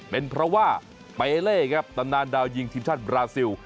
เป็นเพราะว่าเปเล่ครับตำนานดาวยิงทีมชาติบราซิล